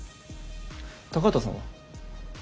高畑さんは？